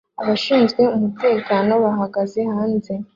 Abashinzwe umutekano bahagaze hanze